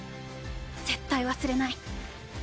絶対忘れない！